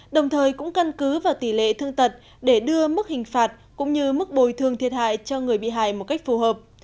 đồng thời cũng căn cứ vào tỷ lệ thương tật để đưa mức hình phạt cũng như mức bồi thường thiệt hại cho người bị hại một cách phù hợp